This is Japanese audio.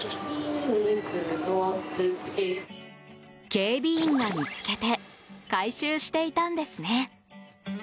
警備員が見つけて回収していたんですね。